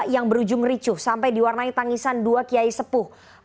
yang berujung ricuh sampai diwarnai tangisan dua kiai sepuh